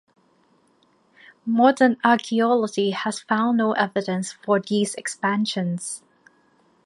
Modern archaeology has found no evidence for these expansions.